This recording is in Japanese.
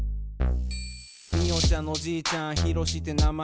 みよちゃんのおじいちゃんひろしって名前。